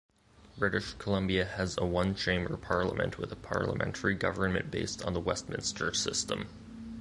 British Columbia has a one chamber parliament with a parliamentary government based on the Westminster system.